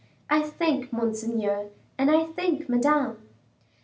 I thank monseigneur, and I thank Madame."